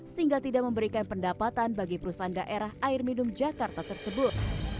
sehingga tidak memberikan pendapatan bagi perusahaan daerah air minum jakarta tersebut